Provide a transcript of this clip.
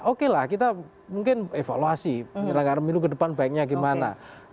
oke lah kita mungkin evaluasi penyelenggara pemilu ke depan baiknya gimana